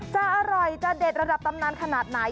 จะอร่อยจะเด็ดระดับตำนานขนาดไหน